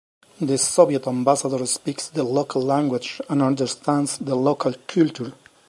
The Soviet ambassador speaks the local language and understands the local culture.